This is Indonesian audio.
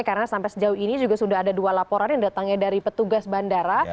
karena sampai sejauh ini juga sudah ada dua laporan yang datangnya dari petugas bandara